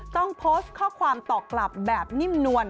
ต้องโพสต์ข้อความตอบกลับแบบนิ่มนวล